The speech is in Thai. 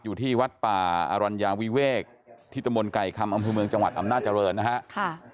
อยู่ที่วัดป่าอรัญญาวิเวกที่ตะมนต์ไก่คำอำเภอเมืองจังหวัดอำนาจริงนะฮะ